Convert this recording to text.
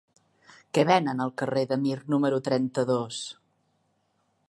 Què venen al carrer de Mir número trenta-dos?